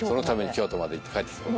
京都まで行って帰ってきた。